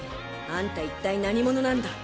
あんた一体何者なんだ。